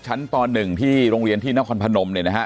ป๑ที่โรงเรียนที่นครพนมเนี่ยนะฮะ